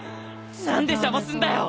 なんで邪魔すんだよ！